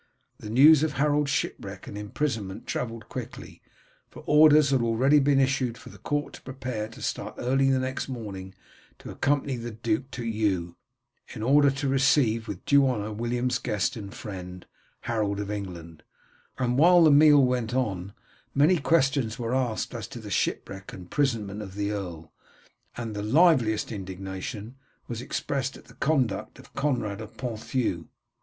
The news of Harold's shipwreck and imprisonment travelled quickly, for orders had already been issued for the court to prepare to start early the next morning to accompany the duke to Eu, in order to receive with due honour William's guest and friend, Harold of England; and while the meal went on many questions were asked as to the shipwreck and prisonment of the earl, and the liveliest indignation was expressed at the conduct of Conrad of Ponthieu.